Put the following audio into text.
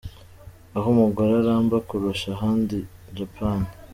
Aho umugore aramba kurusha ahandi : Japan.